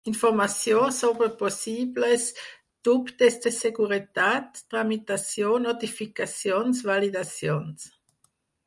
Informació sobre possibles dubtes de seguretat, tramitació, notificacions, validacions...